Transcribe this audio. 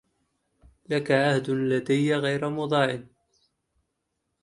لك عهد لدي غير مضاع